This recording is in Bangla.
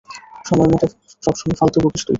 সবসময় ফালতু বকিস তুই।